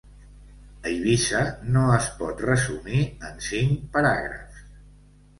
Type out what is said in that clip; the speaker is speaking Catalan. Eivissa no es pot resumir en cinc paràgrafs.